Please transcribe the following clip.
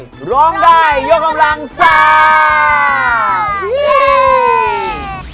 ปีใหญ่ร้องได้โยกกำลังสาว